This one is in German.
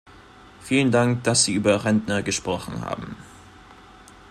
Vielen Dank, dass Sie über Rentner gesprochen haben.